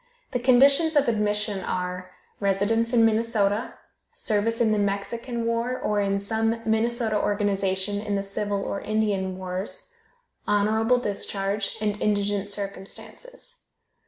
The conditions of admission are: Residence in Minnesota, service in the Mexican War, or in some Minnesota organization in the Civil or Indian Wars, honorable discharge, and indigent circumstances.